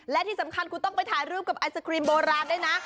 และที่สำคัญคุณต้องไปถ่ายรูปกับไอศครีมโบราณด้วยนะ